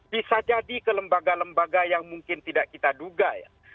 bisa jadi ke lembaga lembaga yang mungkin tidak kita duga ya